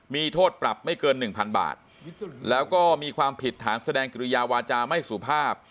มีโทษปรับไม่เกินหนึ่งพันบาทแล้วก็มีความผิดฐานแสดงกิริยาวาจาไม่สุภาพ